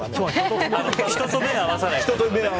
人と目をあわせない。